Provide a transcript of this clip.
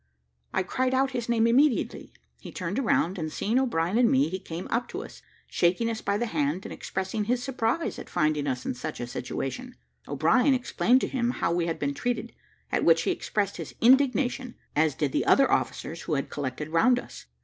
I cried out his name immediately; he turned round, and seeing O'Brien and me, he came up to us, shaking us by the hand, and expressing his surprise at finding us in such a situation. O'Brien explained to him how we had been treated, at which he expressed his indignation, as did the other officers who had collected round us.